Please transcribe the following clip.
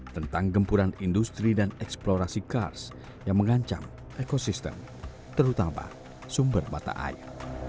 tentang gempuran industri dan eksplorasi kars yang mengancam ekosistem terutama sumber mata air